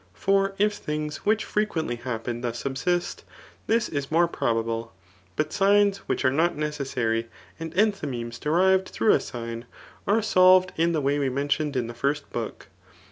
For if things which frequently happen thus subsist, this is more pro. babie. But signs [which are not necessary,]] and en^ thymemes derived through a dgn, are solved in the way we mendoned in the first book.